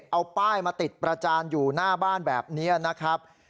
เอาป้ายมาติดประจานอยู่หน้าบ้านแบบนี้นะครับ